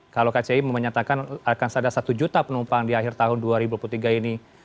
kalau kci menyatakan akan ada satu juta penumpang di akhir tahun dua ribu dua puluh tiga ini